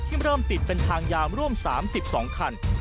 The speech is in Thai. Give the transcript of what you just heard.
เริ่มติดเป็นทางยามร่วม๓๒คัน